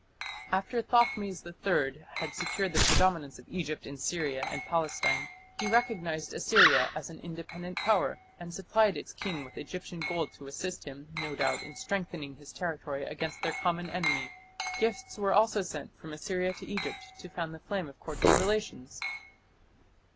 After Thothmes III had secured the predominance of Egypt in Syria and Palestine he recognized Assyria as an independent power, and supplied its king with Egyptian gold to assist him, no doubt, in strengthening his territory against their common enemy. Gifts were also sent from Assyria to Egypt to fan the flame of cordial relations.